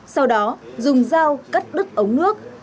sau đó dùng dao cắt đứt ống nước